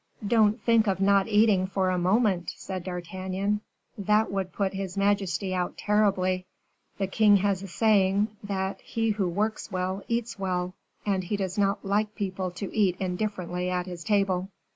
"Don't think of not eating for a moment," said D'Artagnan; "that would put his majesty out terribly. The king has a saying, 'that he who works well, eats well,' and he does not like people to eat indifferently at his table."